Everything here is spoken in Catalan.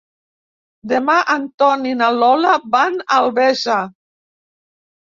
Demà en Tom i na Lola van a Albesa.